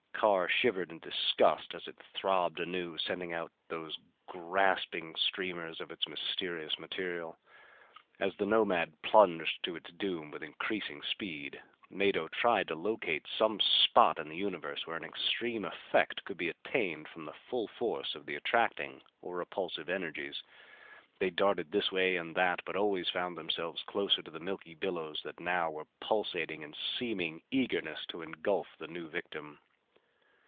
Carr shivered in disgust as it throbbed anew, sending out those grasping streamers of its mysterious material. As the Nomad plunged to its doom with increasing speed, Mado tried to locate some spot in the universe where an extreme effect could be obtained from the full force of the attracting or repulsive energies. They darted this way and that but always found themselves closer to the milky billows that now were pulsating in seeming eagerness to engulf the new victim.